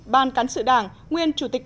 ban cán sự đảng nguyên chủ tịch